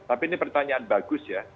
tapi ini pertanyaan bagus ya